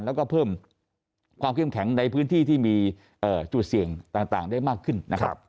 แล้วก็เพิ่มความเข้มแข็งในพื้นที่ที่มีจุดเสี่ยงต่างได้มากขึ้นนะครับ